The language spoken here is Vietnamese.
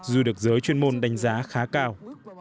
dù được giới chuyên môn đánh giá khá cao